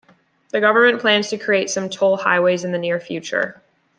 The government plans to create some toll highways in the near future.